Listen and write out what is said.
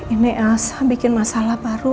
ini elsa bikin masalah paru